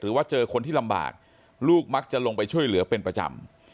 ว่าเจอคนที่ลำบากลูกมักจะลงไปช่วยเหลือเป็นประจำ